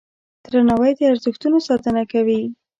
درناوی د ارزښتونو ساتنه کوي.